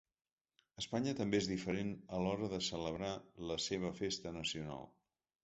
Espanya també és diferent a l’hora de celebrar la seva festa nacional.